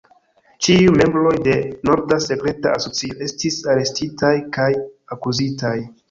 Ĉiuj membroj de "Norda Sekreta Asocio" estis arestitaj kaj akuzitaj.